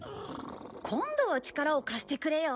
今度は力を貸してくれよ。